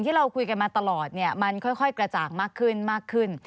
ใช่ไหมครับมันเกี่ยวกันกับคดีนะครับ